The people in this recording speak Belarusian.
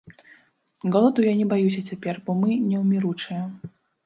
Голаду я не баюся цяпер, бо мы неўміручыя.